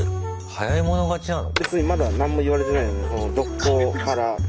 早い者勝ちなの？